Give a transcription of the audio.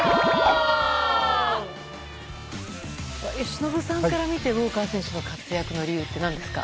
由伸さんから見てウォーカー選手の活躍の理由って何ですか？